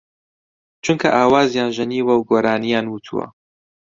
چونکە ئاوازیان ژەنیوە و گۆرانییان وتووە